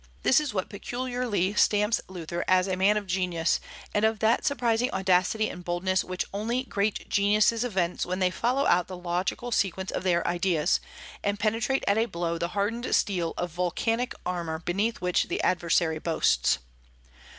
This is what peculiarly stamps Luther as a man of genius, and of that surprising audacity and boldness which only great geniuses evince when they follow out the logical sequence of their ideas, and penetrate at a blow the hardened steel of vulcanic armor beneath which the adversary boasts.